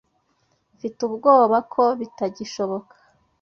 Mfite ubwoba ko bitagishoboka.